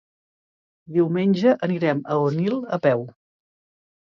Diumenge anirem a Onil a peu.